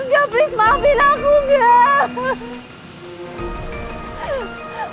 enggak please maafin aku enggak